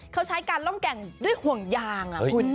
เขาใช้การล่องแก่งด้วยห่วงยางคุณ